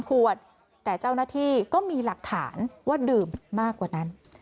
ขวดแต่เจ้าหน้าที่ก็มีหลักฐานว่าดื่มมากกว่านั้น